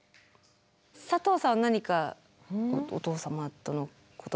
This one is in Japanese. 佐藤さん何かお父様とのことで。